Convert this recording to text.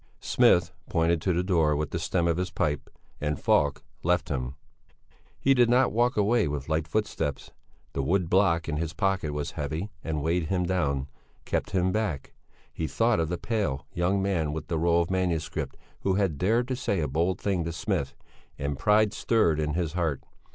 Smith pointed to the door with the stem of his pipe and Falk left him. He did not walk away with light footsteps. The wood block in his pocket was heavy and weighed him down, kept him back. He thought of the pale young man with the roll of manuscript who had dared to say a bold thing to Smith, and pride stirred in his heart.